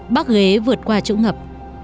bác ghế vượt qua chỗ ngập